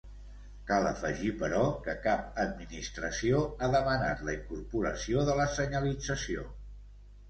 Cal afegir però, que cap administració ha demanat la incorporació de la senyalització.